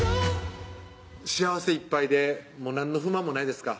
幸せいっぱいで何の不満もないですか？